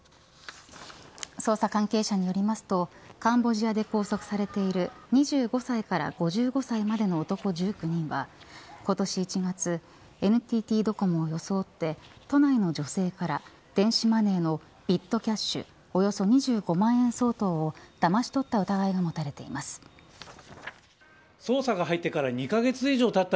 捜査関係者によりますとカンボジアで拘束されている２５歳から５５歳までの男１９人は今年１月、ＮＴＴドコモを装って都内の女性から電子マネーのビットキャッシュおよそ２５万円相当をだまし取った疑いが捜査が入ってから２カ月以上たった